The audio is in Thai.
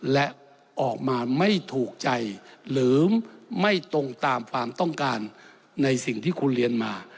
และออกมาไม่ถูกใจหรือไม่ตรงตามความต้องการในสิ่งที่คุณเรียนมา